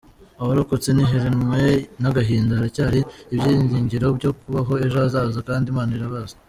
Abarokotse ntiheranwe n’agahinda haracyari ibyiringiro byo kubaho ejo hazaza kandi Imana irabazi.